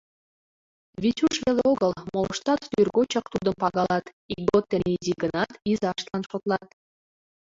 Витюш веле огыл, молыштат тӱргочак тудым пагалат, ийгот дене изи гынат, изаштлан шотлат.